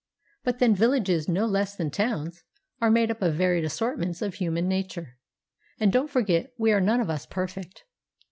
But then villages no less than towns are made up of varied assortments of human nature—and don't forget we are none of us perfect.